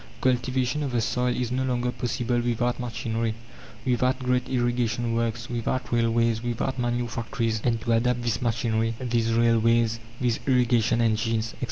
Cultivation of the soil is no longer possible without machinery, without great irrigation works, without railways, without manure factories. And to adapt this machinery, these railways, these irrigation engines, etc.